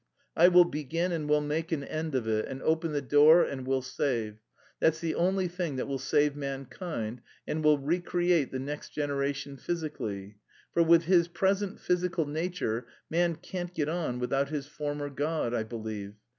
I will begin and will make an end of it and open the door, and will save. That's the only thing that will save mankind and will re create the next generation physically; for with his present physical nature man can't get on without his former God, I believe.